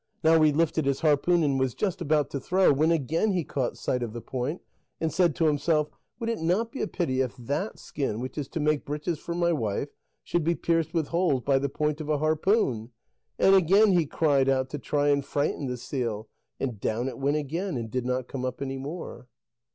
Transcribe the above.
Now he lifted his harpoon and was just about to throw, when again he caught sight of the point, and said to himself: "Would it not be a pity if that skin, which is to make breeches for my wife, should be pierced with holes by the point of a harpoon?" And again he cried out to try and frighten the seal, and down it went again, and did not come up any more.